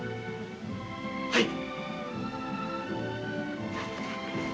はい。